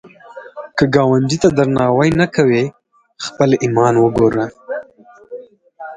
که ګاونډي ته درناوی نه کوې، خپل ایمان وګوره